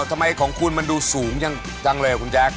ทำไมของคุณมันดูสูงอย่างกันเลยครับคุณแจ๊ก